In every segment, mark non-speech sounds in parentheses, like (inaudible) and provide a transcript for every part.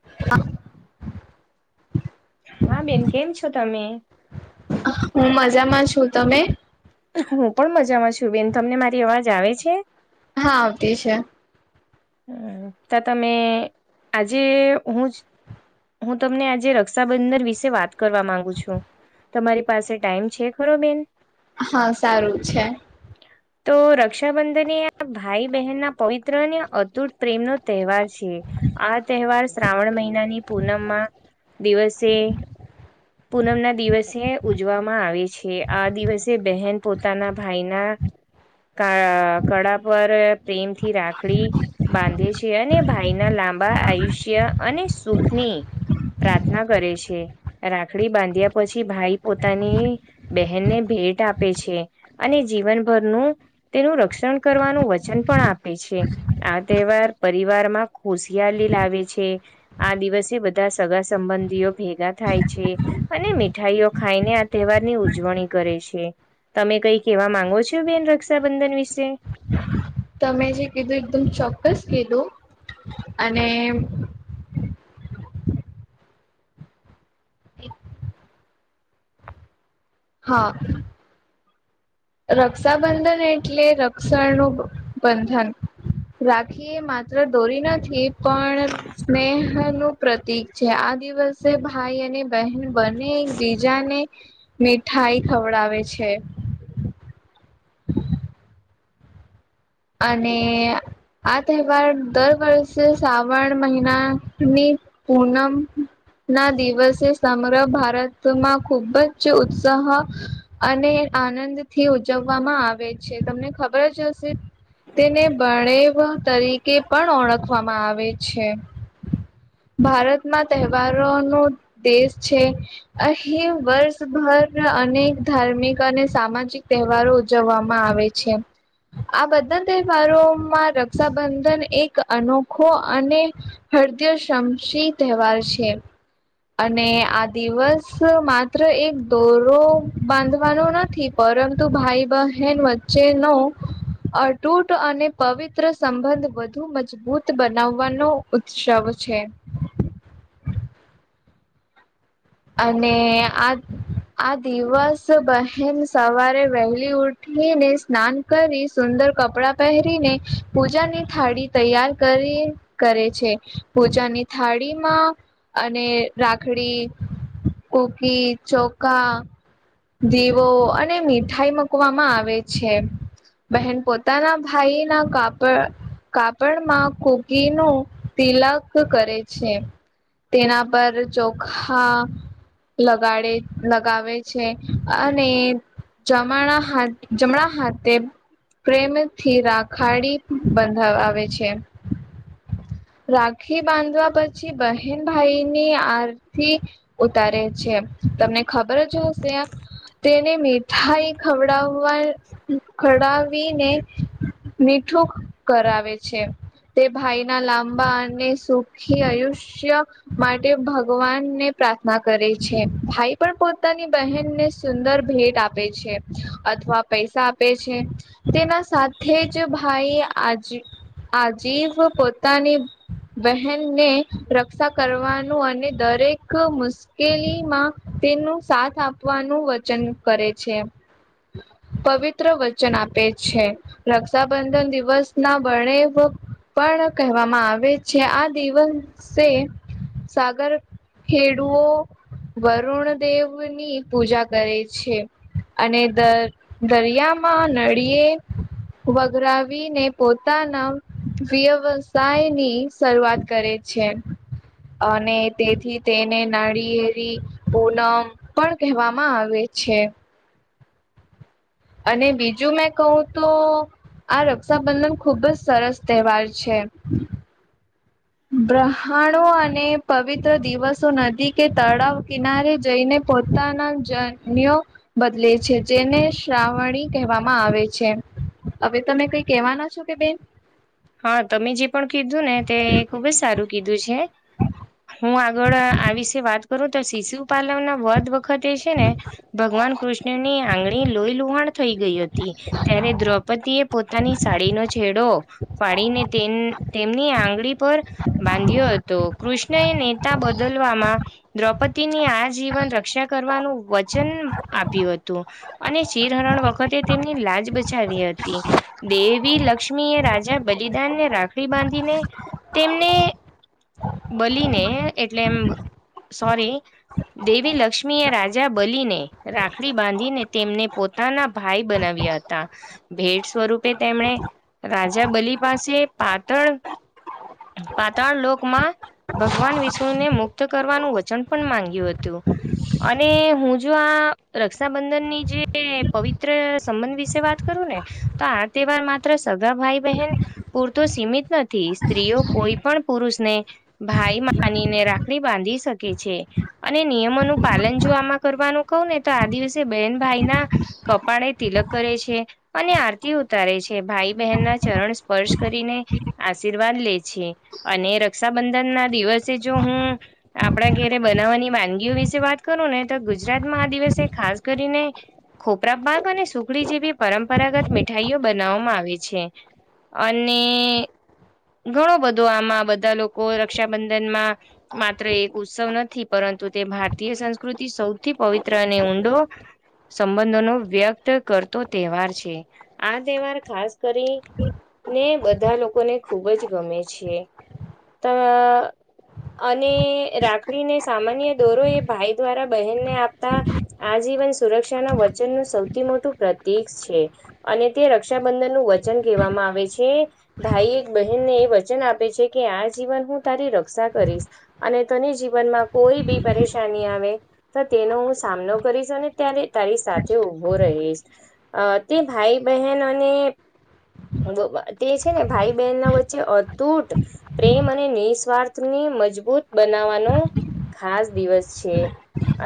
(inaudible) હા બેન કેમ છો તમે? હું મજામાં છું તમે? હું પણ મજામાં છું બેન તમને મારી અવાજ આવે છે હા આવતી છે હમ્મ તો તમે આજે હું જ હું તમને આજે રક્ષાબંધન વિશે વાત કરવા માંગુ છું તમારી પાસે ટાઈમ છે ખરો બેન? હા સારું છે તો રક્ષાબંધન આ ભાઈ બહેનના પવિત્ર ને અદ્ભુત પ્રેમ નો તહેવાર છે આ તહેવાર શ્રાવણ મહિનાની પૂનમમાં દિવસે પૂનમ ના દિવસે ઉજવામાં આવે છે આ દિવસે બહેન પોતાના ભાઈના ક કળા પર પ્રેમથી રાખડી બાંધે છે અને ભાઈના લાંબા આયુષ્ય અને સુખની પ્રાર્થના કરે છે રાખડી બાંધ્યા પછી ભાઈ પોતાની બહેનને ભેટ આપે છે. અને જીવનભરનું તેનું રક્ષણ કરવાનું વચન પણ આપે છે આ તહેવાર પરિવાર માં ખુશિયલી લાવે છે આ દિવસે બધા સગા સંબંધીઓ ભેગા થાય છે છે અને મીઠાઈઓ ખાઈને આ તહેવારની ઉજવણી કરે છે તમે કઈ કેવા માંગો છો બેન રક્ષાબંધન વિશે (inaudible) તમે જે કીધું એકદમ ચોક્કસ કીધું અને હા રક્ષાબંધન એટલે રક્ષણ નું બંધન રાખી માત્ર દોરી નથી પણ સ્નેહ નું પ્રતિક છે આ દિવસે ભાઈ અને બહેન બંને એકબીજાને મીઠાઈ ખવડાવે છે હ અને આ તહેવાર દર વર્ષે શ્રાવણ મહિના ની પૂનમ ના દિવસે સમગ્ર ભારતમાં ખુબ જ ઉત્સાહ અને આનંદ થી ઉજવવામાં આવે છે તમને ખબર જ હશે તેને બણેવ તરીકે પણ ઓળખવામાં આવે છે ભારતમાં તહેવારો નું દેશ છે અહી વર્ષભર અનેક ધાર્મિક અને સામાજિક તહેવારો જવામાં આવે છે આ બધા તહેવારોમાં રક્ષાબંધન એક અનોખો અને હાર્દિય સામશી તહેવાર છે અને આ દિવસ માત્ર એક દોરો બાંધવાનો નથી પરંતુ ભાઈ બહેન વચ્ચે નો અતૂટ અને પવિત્ર સંબંધ વધુ મજબૂત બનાવવાનો ઉત્સવ છે અને આ આ દિવસ બહેન સવારે વહેલી ઉઠી ને સ્નાન કરી સુંદર કપડા પહેરીને પૂજાની થાળી તૈયાર કરી કરે છે પૂજાની થાળીમાં અને રાખડી કોકી ચોખા દીવો અને મીઠાઈ મકવામાં આવે છે બહેન પોતાના ભાઈ ના કાપડ કાપડમાં કુકી નો તિલક કરે છે તેના પર જોખ હા લગાડે લગાવે છે અને જમણા હા જમણા હાથે પ્રેમથી રાખાડી બંધાવ આવે છે રાખી બાંધવા પછી બહેન ભાઈની આ થી ઉતારે છે. તમને ખબર જ હશે આ તેને મેઠાઈ ખવડાવવા ખડાવીને મીઠું કરાવે છે. તે ભાઈ ના લાંબા અને સુખી આયુષ્ય માટે ભ ભગવાન ને પ્રાર્થના કરે છે. ભાઈ પણ પોતાની બહેનને સુંદર ભેટ આપે છે. અથવા પૈસા આપે છે. તેના સાથે જ ભાઈ આજે આજીવ પોતાની બહેનને રક્ષા કરવાનું અને દરેક મુસ્ કેલીમાં તેનું સાથ આપવાનું વચન કરે છે. પવિત્ર વચન આપે છે. રક્ષાબંધન દિવસ ના બણેવ પણ કહેવામાં આવે છે. આ દિવસે સાગર ખેડુઓ વરુણદેવ ની પૂજા કરે છે. અને દર દરિયામાં નળિયે વઘરાવીને પોતાના વ્યવસાય ની શરૂઆત કરે છે, અને તેથી તેને નાળિયેરી પુનમ પણ કહેવામાં આવે છે. અને બીજું મેં કહું તો આ રક્ષાબંધન ખુબ જ સરસ તહેવાર છે. બ્રહાણો અને પવિત્ર દિવસો નદી કે તળાવ કિનારે જઈને પોતાના જન્યો બદલે છે. જેને શ્રાવણી કહેવામાં આવે છે. અવે તમે કઈ કેવાના છો કે બેન? હા તમે જે પણ કીધું ને તે ખુબ જ સારું કીધું છે. હું આગળ આ વિશે વાત કરું તો શિશુ પાલવ ના વદ વખત એ છે ને ભગવાન કૃષ્ણની આંગળી લોહીલુહાણ થઈ ગઈ હતી. ત્યારે દ્રૌપદી એ પોતાની સાડીનો છેડો ફાડીને તેમ તેમની આંગળી પર બાંધ્યો હતો. કૃષ્ણ એ નેતા બદલવામાં દ્રૌપદીની આ જીવન રક્ષા કરવાનું વચન આપ્યું હતું. અને ચીરહરણ વખતે તેમની લાજ બચાવી હતી. દેવી લક્ષ્મી એ રાજા બલિદાનને રાખડી બાંધીને તેમને બલીને એટલે એમ સોરી. દેવી લક્ષ્મીએ રાજા બલીને રાખડી બાંધીને તેમને પોત તાના ભાઈ બનાવ્યા હતા. ભેટ સ્વરૂપે તેમણે રાજા બલી પાસે પાતળ પાતાળ લોકમાં ભગવાન વિષ્ણુને મુક્ત કરવાનું વચન પણ માંગ્યું હતું. અને હું જો આ રક્ષાબંધનની જે પવિત્ર સંબંધ વિશે વાત કરું ને તો આ તહેવાર માત્ર સગા ભાઈ - બહેન પૂરતો સીમિત નથી. સ્ત્રીઓ કોઈ પણ પુરુષને ભાઈ માનીને રાખડી બાંધી શકે છે. અને નિયમોનું પાલન જો આમાં કરવાનું કહું ને તો આ દિવસે બેહેન ભાઈના કપાળ તિલક કરે છે, અને આરતી ઉતારે છે ભાઈ બહેન ના ચરણ સ્પર્શ કરીને આશીર્વાદ લે છે. અને રક્ષાબંધન ના દિવસે જો હું આપણા ઘરે બનાવવાની વાનગીઓ વિશે વાત કરું ને તો ગુજરાતમાં આ દિવસે ખાસ કરીને ખોપરા પાક અને સુખડી જેવી પરંપરાગત મીઠાઈઓ બનાવવામાં આવે છે. અને ઘણો બધો આમાં બધા લોકો રક્ષાબંધનમાં માત્ર એક ઉત્સવ નથી પરંતુ તે ભારતીય સંસ્કૃતિ સૌથી પવિત્ર અને ઊંડો સંબંધો નો વ્યક્ત કરતો તહેવાર છે, આ તહેવાર ખાસ કરી ને બધા લોકોને ખૂબ જ ગમે છે, ત અને રાખડીને સામાન્ય દોરો એ ભાઈ દ્વારા બહેનને આપતા આ જીવન સુરક્ષાના વચનનું સૌથી મોટું પ્રતીક છે. અને તે રક્ષાબંધન નું વચન કહેવામાં આવે આવે છે ભાઈ એક બહેનને એ વચન આપે છે, કે આ જીવન હું તારી રક્ષા કરીશ અને તને જીવનમાં કોઈ બી પરેશાની આવે તો તેનો હું સામનો કરીશ અને ત્યારે તારી સાથે ઉભો રહીશ. અ તે ભાઈ બહેન અને તે છે ને ભાઈ બહેન ના વચ્ચે અતૂટ પ્રેમ અને નિસ્વાર્થને મજબૂત બનાવાનો ખાસ દિવસ છે.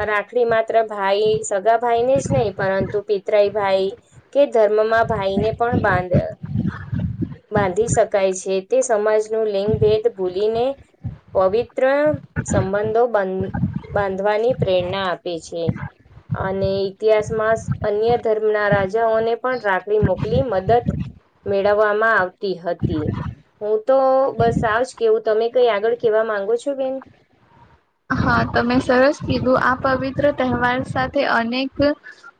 રાખડી માત્ર ભાઈ સગા ભાઈ ને જ નહીં પરંતુ પિતરાઈ ભાઈ કે ધર્મમાં ભાઈ ને પણ બાંધ્ બાંધી શકાય છે, તે સમાજનું લિંગ ભેદ ભૂલીને પવિત્ર સંબંધોંધ બંધ બાંધવાની પ્રેરણા આપે છે, અને ઇતિહાસ માં અન્ય ધર્મ ના રાજાઓને પણ રાખડી મોકલી મદદ મેળવવામાં આવતી હતી હું તો બસ આજ કેવું તમે કઈ આગળ કેવા માંગો છો બેન હા તમે સરસ કીધું આ પવિત્ર તહેવાર સાથે અનેક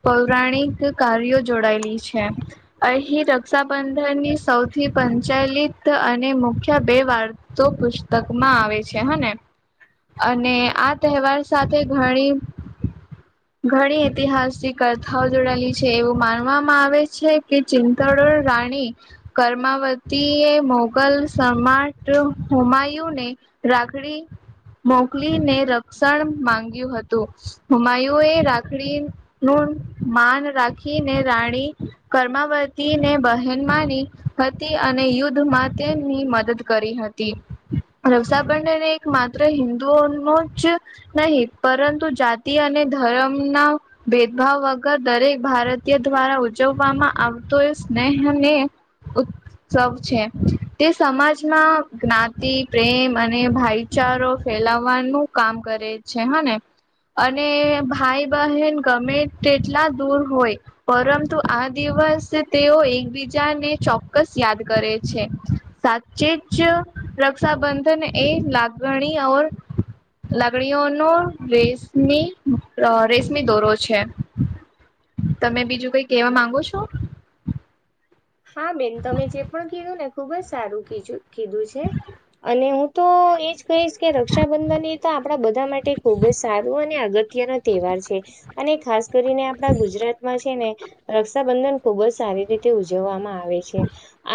પૌરાણિક કાર્યો જોડાયેલી છે, અહીં રક્ષાબંધનની સૌથી પચાલિત અને મુખ્ય બે વાર્ તો પુસ્તક માં આવે છે, હ ને અને આ તહેવાર સાથે ઘણી (inaudible) ઘણી ઐતિહાસિક કથાઓ જોડાયેલી છે એવું માનવામાં આવે છે, કે ચિતાડુ રાણી કર્મમાંવતી એ મોગલ સમાટ હોમાયુંને રાખડી મોકલીને રક્ષા માંગ્યું હતું હોમાયુ એ રાખડી નું માન રાખીને રાણી કર્માવતીને બહેન માની હતી અને યુદ્ધમાં તેમની મદદ કરી હતી રક્ષાબંધન એક માત હિન્ંદુઓ ન જ નહી પરંતુ જાતિ અને ધરમના ભેદભાવ વગર દરેક ભારતીય દ્વારા ઉજવવામાં આવતો એ સ્નેહને (unintelligible) સૌ છે તે સમાજમાં જ્ઞાતિ, પ્રેમ અને ભાઈચારો ફેલાવવાનું કામ કરે છે, હ ને અને ભાઈ બહેન ગમે તેટલા દૂર હોય પરંતુ આ દિવસ તેઓ એકબીજાને ચોક્કસ યાદ કરે છે, સાચે જ રક્ષાબંધન એ લાગણી ઓર લાગણીઓનો રેસમી રેસમી દોરો છે, તમે બીજું કઈ કેવા માંગો છો હા બેન તમે જે પણ કીધું ને ખુબ જ સારું કીધું કીધું છે, અને હું તો એજ કહીશ કે રક્ષાબંધન એ તો આપણા બધા માટે ખુબ જ સારું અને અગત્યના તહેવાર છે, અને ખાસ કરીને આપણા ગુજરાતમાં છે, ને રક્ષાબંધન ખુબ જ સારી રીતે ઉજવામાં આવે છે,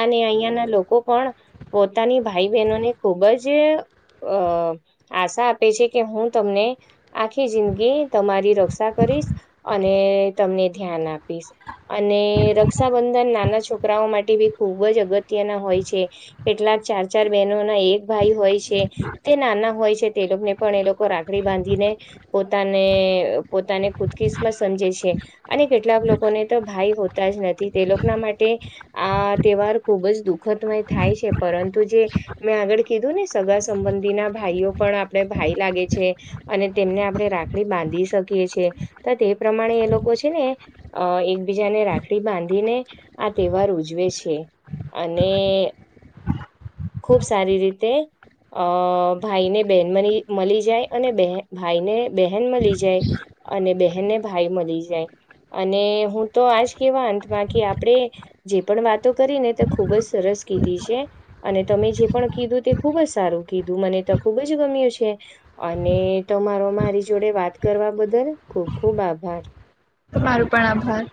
અને અહિયાં ના લોકો પણ પોતાની ભાઈ બહેનોને ખૂબ જ અ આશા આપે છે, કે હું તમને આખી જિંદગી તમારી રક્ષા કરીશ અને તમને ધ્યાન આપી પીસ અને રક્ષાબંધન ના નાના છોકરાઓ માટે બી ખુબજ અગત્યના હોય છે. કેટલાક ચાર ચાર બેનો ના એક ભાઈ હોય છે. તે નાના હોય છે તે લોકોને પણ એ લોકો રાખડી બાંધીને પોતાને પોતાને ખુશકિશમત સમજે છે. અને કેટલાક લોકોને તો ભાઈ હોતા જ નથી તે લોકના માટે તે આ તહેવાર ખૂબ જ દુઃખમય થાય છે. પરંતુ જે મેં આગળ કીધું ને સગા સંબંધીના ભાઈઓ પણ આપણને ભાઈ લાગે છે. અને તેમને આપણે રાખડી બાંધી શકીએ છી તો તે પ્રમાણે એ લોકો છે ને અ એકબીજાને રાખડી બાંધીને આ તહેવાર ઉજવે છે. અને ખુબ સારી રીતે અ ભાઈને બેન મરી મલી જાય અને બહેન ભાઈને બહેન મલી જાય. અને બહેનને ભાઈ મળી જાય. અને હું તો આજ કેવા અંતમાં કે આપણે જે પણ વાતો કરી ને તે ખુબ જ સરસ કીધી છે. અને તમે જે પણ કીધું તે ખુબ જ સારું કીધું મને તો ખૂબ જ ગમ્યું છે. અને તમારો મારી જોડે વાત કરવા બદલ ખુબ ખુબ આભાર. તમારો પણ આભાર.